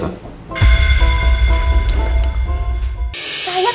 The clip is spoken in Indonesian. terima kasih banyak pak